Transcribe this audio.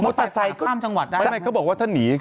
มอเตอร์ไซค์ก็ข้ามจังหวัดได้ไหมใช่ไหมเขาบอกว่าถ้านี